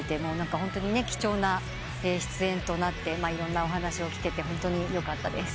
ホントに貴重な出演となっていろんなお話を聞けてホントによかったです。